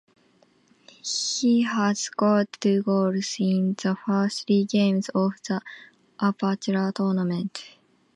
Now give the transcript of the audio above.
He has scored two goals in the first three games of the Apertura tournament.